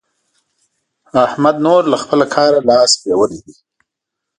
احمد نور له خپله کاره لاس پرېولی دی.